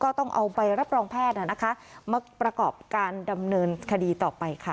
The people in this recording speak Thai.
ต้องเอาใบรับรองแพทย์มาประกอบการดำเนินคดีต่อไปค่ะ